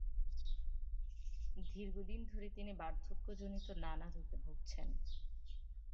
দীর্ঘদিন ধরে তিনি বার্ধক্যজনিত নানা রোগে ভুগছিলেন।